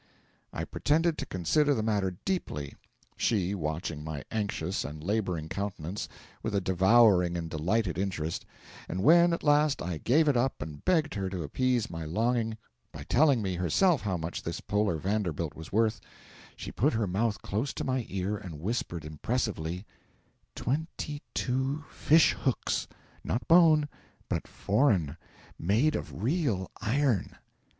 I pretended to consider the matter deeply, she watching my anxious and labouring countenance with a devouring and delighted interest; and when, at last, I gave it up and begged her to appease my longing by telling me herself how much this polar Vanderbilt was worth, she put her mouth close to my ear and whispered, impressively: 'Twenty two fish hooks not bone, but foreign made out of real iron!'